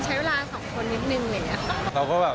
ใช้เวลาสองคนนิดหนึ่งอย่างนี้